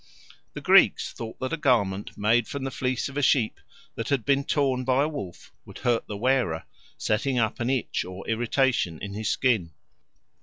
The Greeks thought that a garment made from the fleece of a sheep that had been torn by a wolf would hurt the wearer, setting up an itch or irritation in his skin.